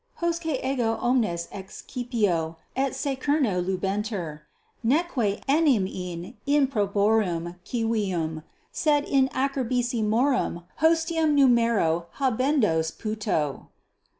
Hosce ego homines excipio et 15 secerno lubenter; neque enim in improborum civium, sed in acerbissimorum hostium numero habendos puto.